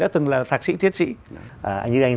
đã từng là thạc sĩ thiết sĩ anh như anh